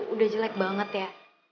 udah jelek banget ya